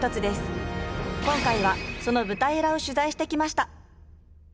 今回はその舞台裏を取材してきました